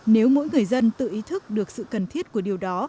nếu mỗi người dân tự ý thức được sự cần thiết của điều đó